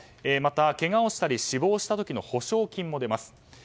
また、けがをしたり死亡した時の補償金も出ます。